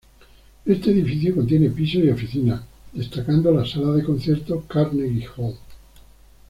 Este edificio contiene pisos y oficinas, destacando la sala de conciertos Carnegie Hall.